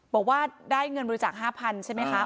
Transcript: บอกว่าได้เงินบริจาค๕๐๐๐ใช่ไหมคะ